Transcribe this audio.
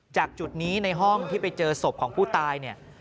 จุดนี้ในห้องที่ไปเจอศพของผู้ตายเนี่ย